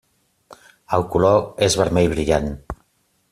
El color és vermell brillant.